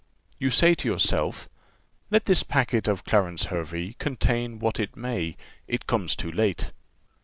You say to yourself, 'Let this packet of Clarence Hervey contain what it may, it comes too late.